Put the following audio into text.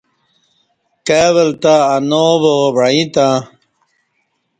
کائی ول تہ اناو وا وعیں تہ